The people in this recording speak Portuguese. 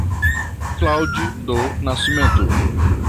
Claude do Nascimento